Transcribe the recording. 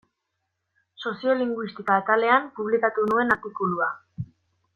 Soziolinguistika atalean publikatu nuen artikulua.